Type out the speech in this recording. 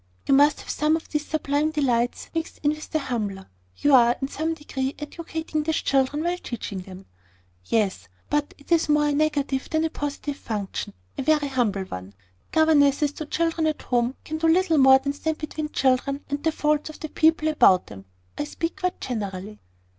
"You must have some of these sublime delights mixed in with the humbler. You are, in some degree, educating these children while teaching them." "Yes: but it is more a negative than a positive function, a very humble one. Governesses to children at home can do little more than stand between children and the faults of the people about them. I speak quite generally."